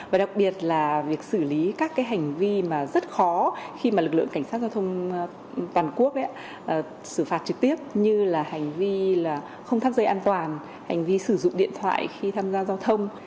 và đặc biệt là việc xử lý các hành vi mà rất khó khi mà lực lượng cảnh sát giao thông toàn quốc xử phạt trực tiếp như là hành vi là không thắt dây an toàn hành vi sử dụng điện thoại khi tham gia giao thông